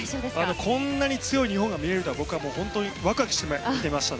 こんなに強い日本が見れるとはワクワクして見ていました。